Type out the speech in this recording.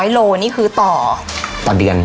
โลนี่คือต่อต่อเดือน